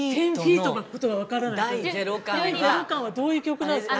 『第ゼロ感』はどういう曲なんですか？